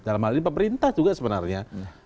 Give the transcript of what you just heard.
dalam hal ini pemerintah juga sebenarnya